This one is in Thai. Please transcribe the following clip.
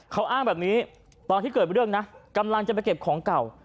เขาอ้างแบบนี้ตอนที่เกิดเรื่องนะกำลังจะไปเก็บของเก่า